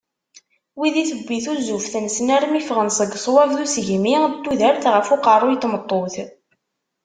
Wid i tewwi tuzzuft-nsen armi ffɣen seg sswab d usegmi n tudert ɣef uqerruy n tmeṭṭut.